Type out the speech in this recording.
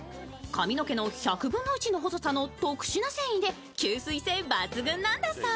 髪の毛の１００分の１の細さの特殊な繊維で吸水性抜群なんだそう。